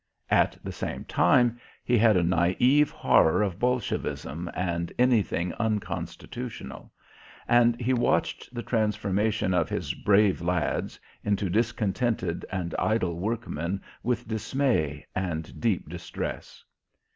At the same time he had a naive horror of bolshevism and anything unconstitutional, and he watched the transformation of his "brave lads" into discontented and idle workmen with dismay and deep distress.